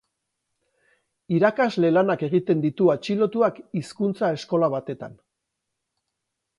Irakasle lanak egiten ditu atxilotuak hizkuntza eskola batetan.